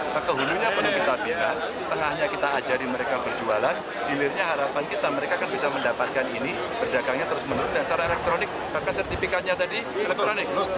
maka hulunya penuh kita bea tengahnya kita ajarin mereka berjualan dilirnya harapan kita mereka akan bisa mendapatkan ini berdagangnya terus menurut dan secara elektronik bahkan sertifikatnya tadi elektronik